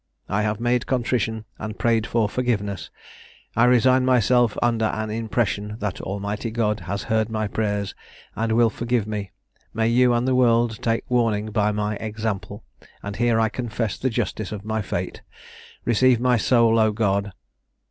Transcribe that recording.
I have made contrition, and prayed for forgiveness; I resign myself under an impression that Almighty God has heard my prayers, and will forgive me: may you and the world take warning by my example; and here I confess the justice of my fate receive my soul, O God!"